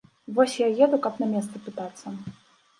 Вось я еду, каб на месцы пытацца.